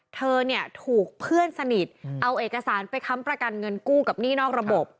เธอเนี่ยถูกเพื่อนสนิทเอาเอกสารไปค้ำประกันเงินกู้กับหนี้นอกระบบ